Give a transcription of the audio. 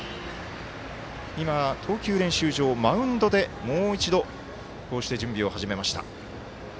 今、投球練習場、マウンドでもう一度こうして準備を始めました。